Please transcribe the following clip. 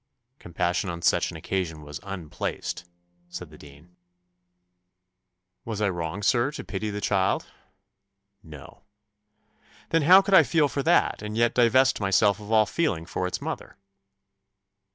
"Compassion on such an occasion was unplaced," said the dean. "Was I wrong, sir, to pity the child?" "No." "Then how could I feel for that, and yet divest myself of all feeling for its mother?"